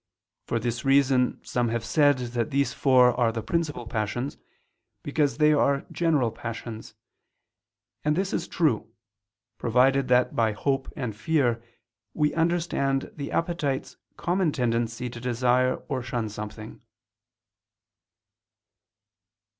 For this reason some have said that these four are the principal passions, because they are general passions; and this is true, provided that by hope and fear we understand the appetite's common tendency to desire or shun something.